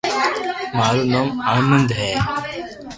مارو نوم آنند ھي